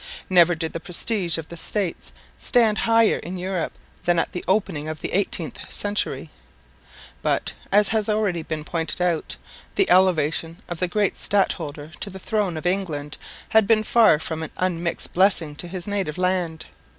Never did the prestige of the States stand higher in Europe than at the opening of the 18th century. But, as has already been pointed out, the elevation of the great stadholder to the throne of England had been far from an unmixed blessing to his native land.